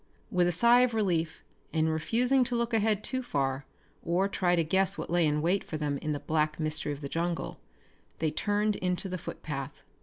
With a sigh of relief, and refusing to look ahead too far, or try to guess what lay in wait for them in the black mystery of the jungle, they turned into the footpath.